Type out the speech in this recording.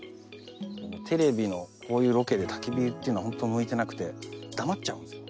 テレビのこういうロケで焚き火っていうのはホント向いてなくて黙っちゃうんですよ。